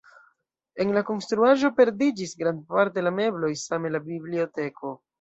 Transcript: En la konstruaĵo perdiĝis grandparte la mebloj, same la biblioteko.